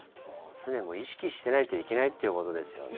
常に意識してないといけないということですよね。